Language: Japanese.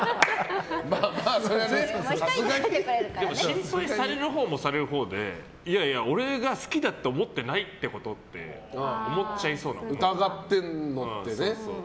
心配されるほうもされるほうでいやいや俺が好きだって思ってないってこと？って疑ってるのってね。